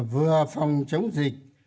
vừa phòng chống dịch